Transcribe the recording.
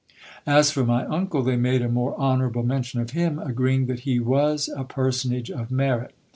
As for my uncle, they made a more honourable mention of him, agreeing that he was a personage of merit.